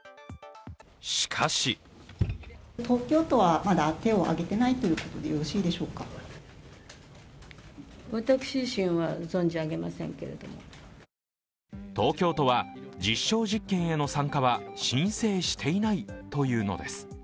しかし東京都は実証実験への参加は申請していないというのです。